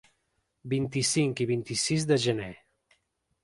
Vint-i-cinc i vint-i-sis de gener.